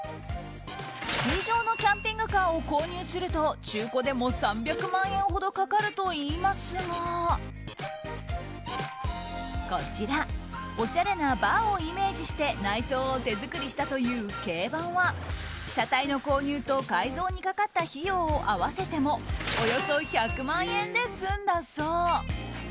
通常のキャンピングカーを購入すると中古でも３００万円ほどかかるといいますがこちらおしゃれなバーをイメージして内装を手作りしたという軽バンは車体の購入と改造にかかった費用を合わせてもおよそ１００万円で済んだそう。